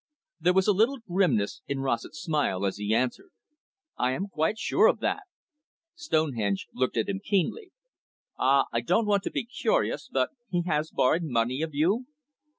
There was a little grimness in Rossett's smile as he answered: "I am quite sure of that." Stonehenge looked at him keenly. "Ah, I don't want to be curious, but he has borrowed money of you?"